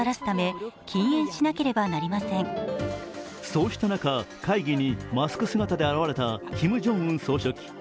そうした中、会議にマスク姿で現れたキム・ジョンウン総書記。